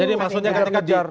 jadi maksudnya ketika di